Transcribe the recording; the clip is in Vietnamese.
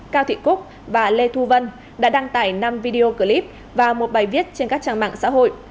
cao thị cúc và lê thu vân đã đăng tải năm video clip và một bài viết trên các trang mạng xã hội